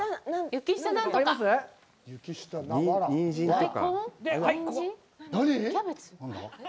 キャベツ？